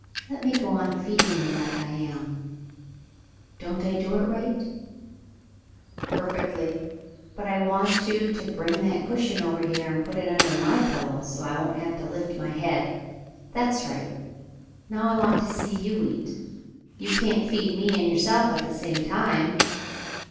Let me go on feeding you like I am. Don't I do it right .?" "Perfectly, but I want you to bring that cushion over here and put it under my pillow so you won't have to lift my head. That's right. Now I want to see you eat. You can't feed me and yourself at the same time.